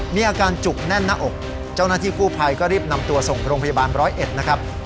มีอาการจุกแน่นหน้าอกเจ้าหน้าที่กู้ภัยก็รีบนำตัวส่งโรงพยาบาลร้อยเอ็ดนะครับ